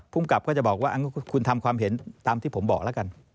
ภูมิกับก็จะบอกว่าคุณทำความเห็นตามที่ผมบอกแล้วกัน